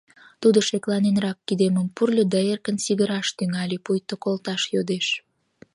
Тудо шекланенрак кидемым пурльо да эркын сигыраш тӱҥале, пуйто колташ йодеш.